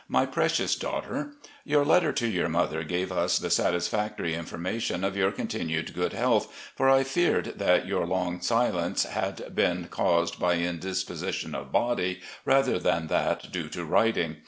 "My Precious Daughter: Your letter to your mother gave us the satisfactory information of your continued good health, for I feared that your long silence had been caused by indisposition of body, rather than that due to writing.